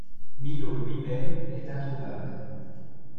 Millot lui-même est introuvable.